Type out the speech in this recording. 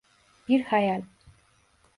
Bir hayal.